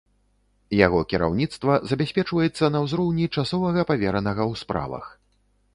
Яго кіраўніцтва забяспечваецца на ўзроўні часовага паверанага ў справах.